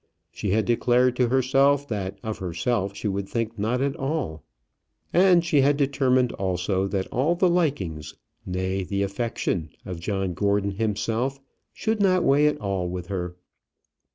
She had declared to herself that of herself she would think not at all. And she had determined also that all the likings, nay, the affection of John Gordon himself, should weigh not at all with her.